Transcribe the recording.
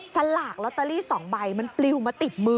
สลากลอตเตอรี่๒ใบมันปลิวมาติดมือ